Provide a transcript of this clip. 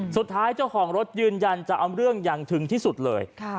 เจ้าของรถยืนยันจะเอาเรื่องอย่างถึงที่สุดเลย